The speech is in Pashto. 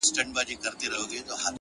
حکمت د سمې کارونې نوم دی.!